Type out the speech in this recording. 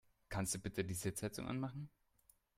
Kannst du bitte die Sitzheizung anmachen?